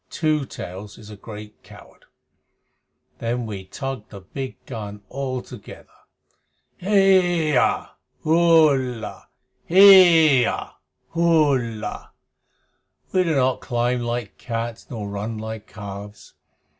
Two Tails is a great coward. Then we tug the big gun all together Heya Hullah! Heeyah! Hullah! We do not climb like cats nor run like calves.